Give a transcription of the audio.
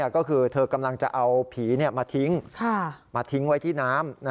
ก็คือเธอกำลังจะเอาผีมาทิ้งมาทิ้งไว้ที่น้ำ